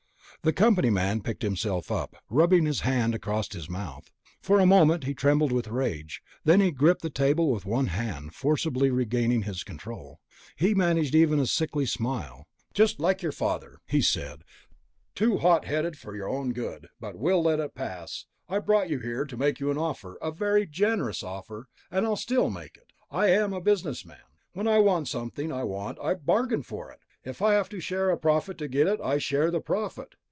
The company man picked himself up, rubbing his hand across his mouth. For a moment he trembled with rage. Then he gripped the table with one hand, forcibly regaining his control. He even managed a sickly smile. "Just like your father," he said, "too hot headed for your own good. But we'll let it pass. I brought you here to make you an offer, a very generous offer, and I'll still make it. I'm a businessman, when I want something I want I bargain for it. If I have to share a profit to get it, I share the profit.